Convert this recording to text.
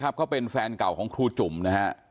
เค้าก็เป็นแฟนเก่าของครูจุ่มนะครับ